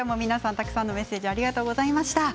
たくさんのメッセージありがとうございます。